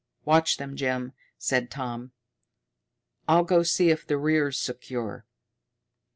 "Watch them, Jim," said Tom. "I'll go see if the rear's secure."